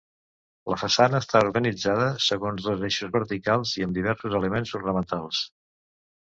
La façana està organitzada segons dos eixos verticals i amb diversos elements ornamentals.